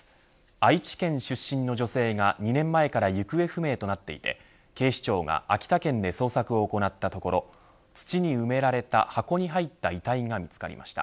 愛知県出身の女性が２年前から行方不明となっていて警視庁が秋田県で捜索を行ったところ土に埋められた箱に入った遺体が見つかりました。